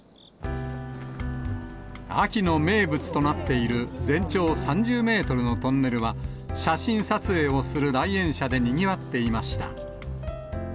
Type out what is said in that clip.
秋の名物となっている全長３０メートルのトンネルは、写真撮影をする来園者でにぎわっていました。